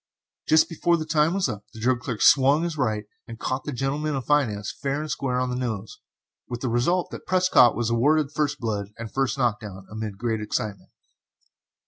Just before time was up, the drug clerk swung his right and caught the gentleman of finance fair and square on the nose, with the result that Prescott was awarded first blood and first knock down, amid great excitement.